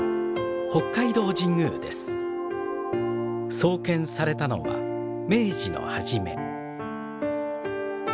創建されたのは明治の初め。